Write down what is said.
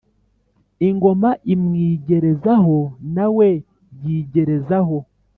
ingoma imwigereza ho na we yigereza ho,